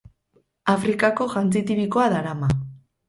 Afrikako jantzi tipikoa darama.